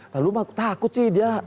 lalu takut sih dia